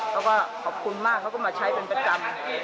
เขาก็ขอบคุณมากเขาก็มาใช้เป็นประจำ